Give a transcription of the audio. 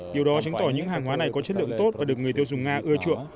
điều đó chứng tỏ những hàng hóa này có chất lượng tốt và được người tiêu dùng nga ưa chuộng